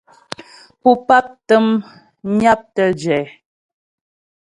Pú pap təm nyaptə jɛ.